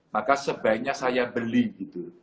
maka sebaiknya saya beli gitu